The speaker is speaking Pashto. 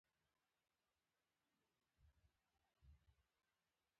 افغانستان تر هغو نه ابادیږي، ترڅو رشوت او فساد له ریښې ونه ایستل شي.